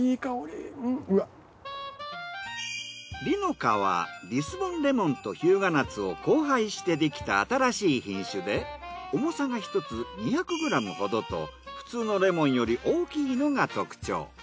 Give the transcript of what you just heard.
璃の香はリスボンレモンと日向夏を交配してできた新しい品種で重さが１つ２００ｇほどと普通のレモンより大きいのが特徴。